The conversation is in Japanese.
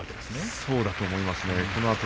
そうだと思います。